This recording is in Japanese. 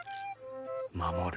守る。